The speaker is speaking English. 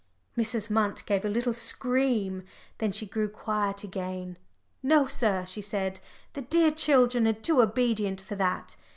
Mrs. Munt gave a little scream. Then she grew quiet again. "No, sir," she said, "the dear children are too obedient for that.